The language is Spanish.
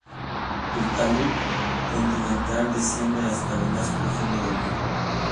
El talud continental desciende hasta lo más profundo del mar.